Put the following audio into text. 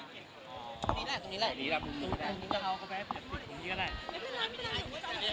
อันนี้ก็เป็นสถานที่สุดท้ายของเมืองและเป็นสถานที่สุดท้ายของอัศวินธรรมชาติ